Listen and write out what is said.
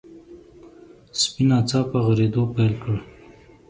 سپي ناڅاپه غريدو پيل کړ.